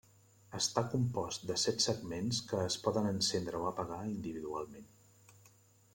Està compost de set segments que es poden encendre o apagar individualment.